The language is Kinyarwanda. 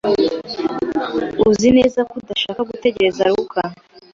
Uzi neza ko udashaka gutegereza Luka?